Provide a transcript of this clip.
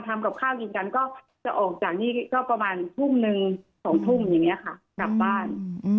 ทำกับข้าวกินกันก็จะออกจากนี่ก็ประมาณทุ่มหนึ่ง๒ทุ่มอย่างนี้ค่ะกลับบ้าน